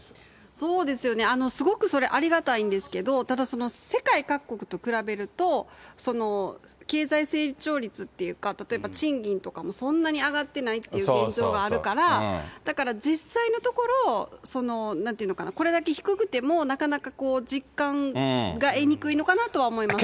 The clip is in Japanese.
そうですよね、すごくそれありがたいんですけれども、ただ、世界各国と比べると、経済成長率っていうか、例えば賃金とかもそんなに上がってないっていう現状があるから、だから実際のところ、なんというのかな、これだけ低くても、なかなか実感が得にくいのかなと思いますね。